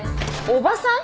おばさん？